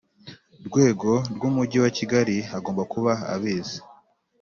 rwego rw Umujyi wa Kigali agomba kuba abizi